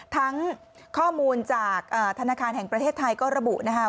ข้อมูลจากธนาคารแห่งประเทศไทยก็ระบุนะคะ